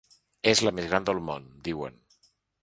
És la més gran del món, diuen.